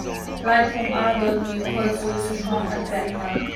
Lai phung ah dawtmi khual cu sahrong an pek hna.